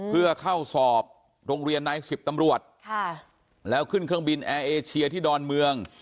เพื่อเข้าสอบโรงเรียนนายสิบตำรวจค่ะแล้วขึ้นเครื่องบินแอร์เอเชียที่ดอนเมือง